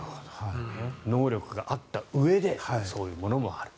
能力があったうえでそういうものもある。